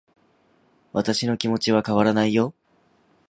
私の気持ちは変わらないよ